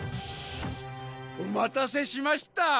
お待たせしました。